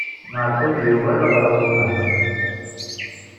Maɛṭub yuɣal ɣer uxxam.